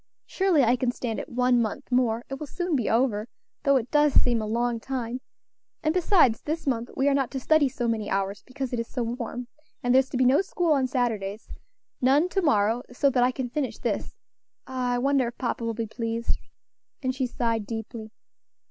Surely I can stand it one month more; it will soon be over, though it does seem a long time, and besides, this month we are not to study so many hours, because it is so warm; and there's to be no school on Saturdays; none to morrow, so that I can finish this. Ah! I wonder if papa will be pleased?" and she sighed deeply.